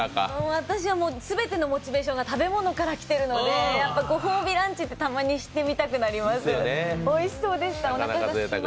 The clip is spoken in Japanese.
私は全てのモチベーションが食べ物からきてるのでご褒美ランチってたまにしてみたくなります。